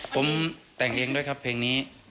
ผมแต่งเองด้วยครับเพลงนี้